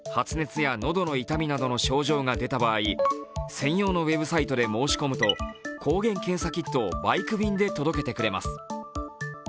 発熱や喉の痛みなどの症状が出た場合、専用のウェブサイトで申し込むと、抗原検査キットをバイク便で届けてくれます。